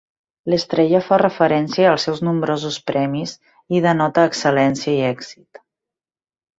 L'estrella fa referència als seus nombrosos premis i denota excel·lència i èxit.